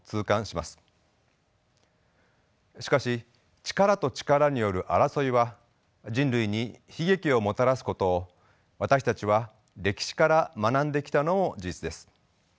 しかし力と力による争いは人類に悲劇をもたらすことを私たちは歴史から学んできたのも事実です。